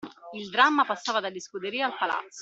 Il dramma passava dalle scuderie al palazzo.